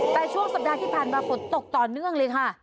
แต่ช่วงสัปดาห์ที่ผ่านมาฝนตกต่อเนื่องเลยค่ะ